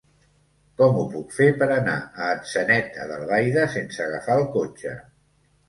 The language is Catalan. Com ho puc fer per anar a Atzeneta d'Albaida sense agafar el cotxe?